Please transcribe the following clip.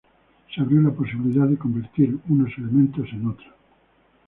Se abrió la posibilidad de convertir unos elementos en otros.